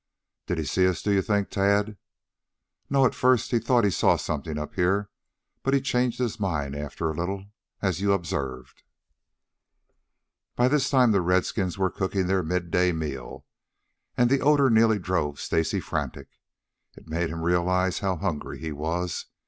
"Did he see us, do you think, Tad?" "No. At first he thought he saw something up here, but he changed his mind after a little, as you observed." By this time the redskins were cooking their midday meal, and the odor nearly drove Stacy frantic. It made him realize how hungry he was.